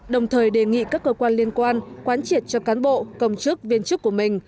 đồng thời đề nghị các cơ quan liên quan quán triệt cho cán bộ công chức viên chức của mình